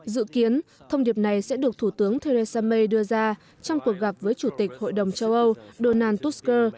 dự kiến thông điệp này sẽ được thủ tướng theresa may đưa ra trong cuộc gặp với chủ tịch hội đồng châu âu donald tusk